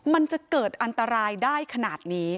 มันจะเกิดอันตรายได้ขนาดนี้